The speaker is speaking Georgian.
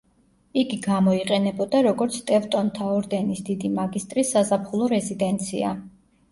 იგი გამოიყენებოდა, როგორც ტევტონთა ორდენის დიდი მაგისტრის საზაფხულო რეზიდენცია.